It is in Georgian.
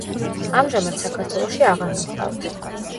ამჟამად საქართველოში აღარ მოჰყავთ.